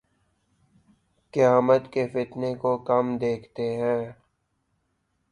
قیامت کے فتنے کو، کم دیکھتے ہیں